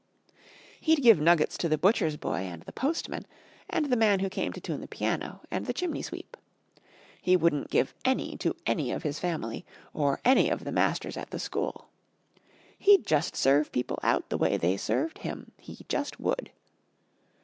He'd give nuggets to the butcher's boy and the postman, and the man who came to tune the piano, and the chimney sweep. He wouldn't give any to any of his family, or any of the masters at the school. He'd just serve people out the way they served him. He just would.